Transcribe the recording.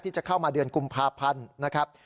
จะเข้ามาเดือนกุมภาพันธ์นะครับ